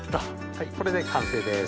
はいこれで完成です。